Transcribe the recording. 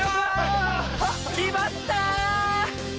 きまった！